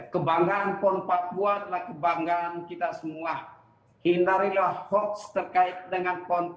kebanggaan pon papua adalah kebanggaan kita semua